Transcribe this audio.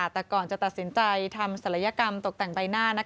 แต่ก่อนจะตัดสินใจทำศัลยกรรมตกแต่งใบหน้า